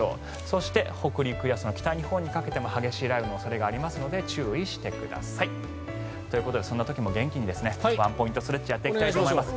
そして、北陸や北日本にかけても激しい雷雨の恐れがありますので注意してください。ということでそんな時も元気にワンポイントストレッチをやっていきたいと思います。